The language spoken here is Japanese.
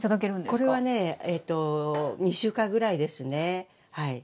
これはね２週間ぐらいですねはい。